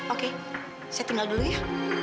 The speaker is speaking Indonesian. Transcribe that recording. oke saya tinggal dulu ya